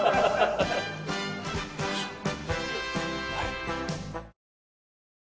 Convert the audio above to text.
行きましょう。